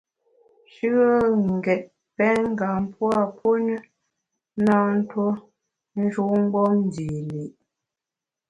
Shùe n’ gét pèn ngam pua puo ne, na ntuo njun mgbom-a ndi li’.